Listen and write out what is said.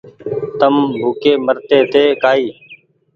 تم ڀوڪي مرتي تي ڪآئي